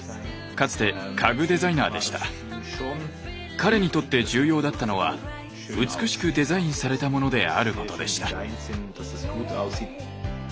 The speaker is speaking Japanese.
彼にとって重要だったのは美しくデザインされたモノであることでした。